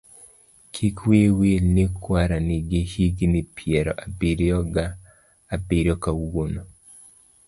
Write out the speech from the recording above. kik wiyi wil ni kwara nigi higni piero abiriyo ga biriyo kawuono.